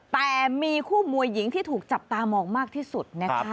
แต่มีคู่มวยหญิงที่ถูกจับตามองมากที่สุดนะคะ